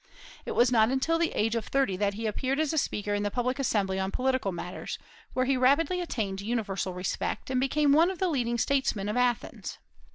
It was not until the age of thirty that he appeared as a speaker in the public assembly on political matters, where he rapidly attained universal respect, and became one of the leading statesmen of Athens.